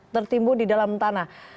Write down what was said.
tertimbun di dalam tanah